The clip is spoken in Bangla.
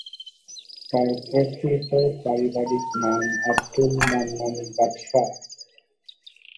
তার প্রকৃত পারিবারিক নাম আব্দুল মান্নান বাদশা।